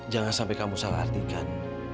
jangan sampai kamu salah artikan